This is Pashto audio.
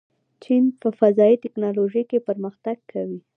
چین په فضايي تکنالوژۍ کې پرمختګ کوي.